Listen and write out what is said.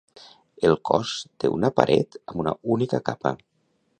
El cos té una paret amb una única capa.